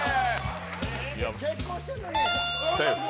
結婚してるのに。